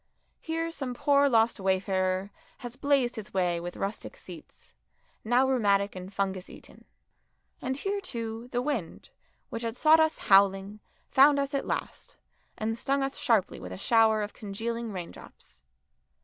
Here some poor lost wayfarer has blazed his way with rustic seats, now rheumatic and fungus eaten. And here, too, the wind, which had sought us howling, found us at last, and stung us sharply with a shower of congealing raindrops.